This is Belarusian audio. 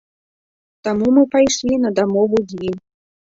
Таму мы пайшлі на дамову з ім.